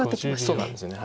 そうなんですよね。